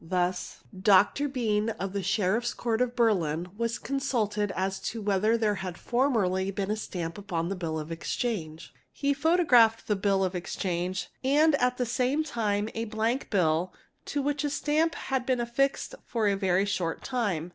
Thus Dr. Bein, of the Sheriff's Court of Berlin, was consulted as to whether jhere had formerly been a stamp upon a bill of exchange; he photographed he bill of exchange and at the same time a blank bill to which a stamp lad been affixed for a very short time.